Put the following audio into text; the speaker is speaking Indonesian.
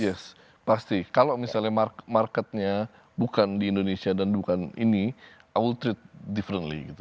yes pasti kalau misalnya marketnya bukan di indonesia dan bukan ini i will treat differently